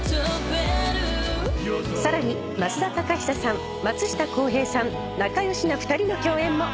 さらに増田貴久さん松下洸平さん仲良しな２人の共演も。